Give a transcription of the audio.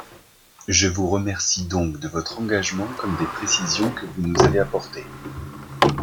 Je vous remercie donc de votre engagement comme des précisions que vous nous avez apportées.